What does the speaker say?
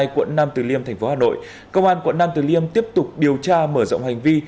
quận nam từ liêm thành phố hà nội công an quận nam từ liêm tiếp tục điều tra mở rộng hành vi